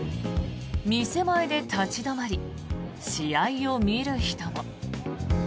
店前で立ち止まり試合を見る人も。